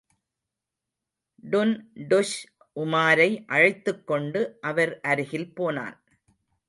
டுன்டுஷ் உமாரை அழைத்துக் கொண்டு அவர் அருகில் போனான்.